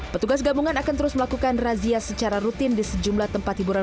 petugas gabungan akan terus melakukan razia secara rutin di sejumlah tempat hiburan